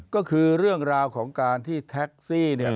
ก็คือเรื่องราวของการที่แท็กซี่เนี่ย